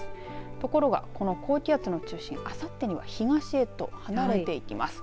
ところが、この高気圧の中心あさってには東へと離れていきます。